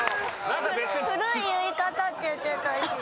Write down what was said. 「古い言い方」って言ってたし。